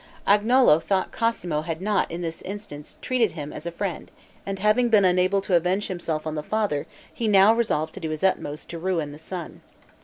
Agnolo thought Cosmo had not, in this instance, treated him as a friend; and having been unable to avenge himself on the father, he now resolved to do his utmost to ruin the son.